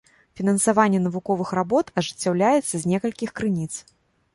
Фінансаванне навуковых работ ажыццяўляецца з некалькіх крыніц.